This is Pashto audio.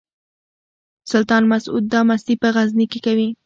سلطان مسعود دا مستي په غزني کې کوي.